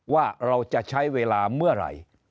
ว่าเราจะใช้เวลาเมื่อไหร่